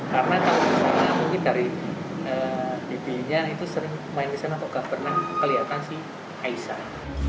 karena kalau misalnya mungkin dari bibirnya itu sering main di sana kok gak pernah kelihatan si aisyah